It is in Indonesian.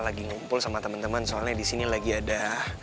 lagi ngumpul sama temen temen soalnya disini lagi ada